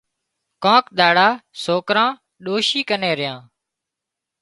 ڪانڪ ۮاڙا سوڪران ڏوشِي ڪنين ريا